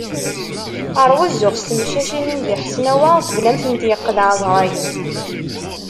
Rwu zzux s tmeccacin-im di Ḥesnawa uqbel ad am-tent-yeqqed ɛeẓrayen.